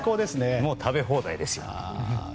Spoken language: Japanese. もう食べ放題ですよね